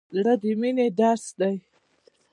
زړه د مینې درس دی.